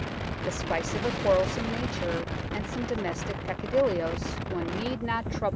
The spice of a quarrel some nature and some domestic peccadilloes one need not trouble about.